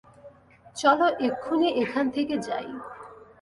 চলো এক্ষুনি এখান থেকে যাই।